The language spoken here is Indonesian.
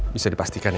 bisa dipastikan ya